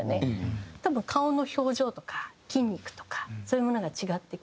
多分顔の表情とか筋肉とかそういうものが違ってきて。